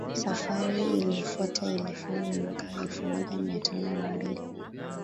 Safari iliyofuata ilifanywa mwaka elfu moja mia tano na mbili